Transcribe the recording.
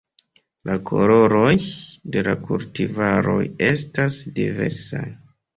La koloroj de la kultivaroj estas diversaj.